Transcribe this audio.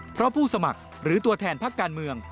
เพราะผู้สมัครหรือตัวแทนพักการเมือง